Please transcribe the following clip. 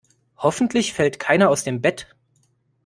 Hoffentlich fällt keiner aus dem Bett.